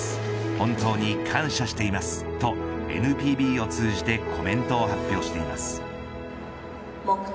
本当に感謝していますとＮＰＢを通じてコメントを発表しています。